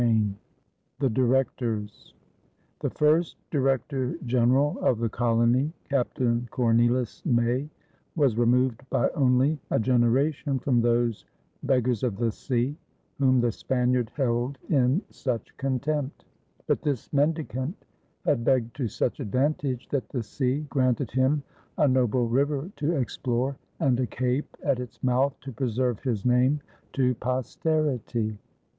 CHAPTER IV THE DIRECTORS The first Director General of the colony, Captain Cornelis May, was removed by only a generation from those "Beggars of the Sea" whom the Spaniard held in such contempt; but this mendicant had begged to such advantage that the sea granted him a noble river to explore and a cape at its mouth to preserve his name to posterity.